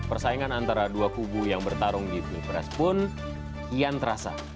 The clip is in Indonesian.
persaingan antara dua kubu yang bertarung di pilpres pun kian terasa